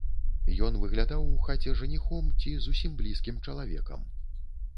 Ён выглядаў у хаце жаніхом ці зусім блізкім чалавекам.